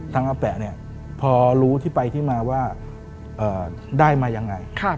อาแปะเนี่ยพอรู้ที่ไปที่มาว่าได้มายังไง